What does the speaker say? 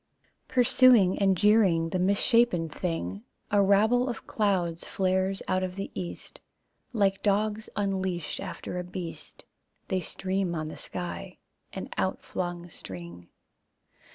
Pursuing and jeering the misshapen thing A rabble of clouds flares out of the east. Like dogs unleashed After a beast, They stream on the sky, an outflung string.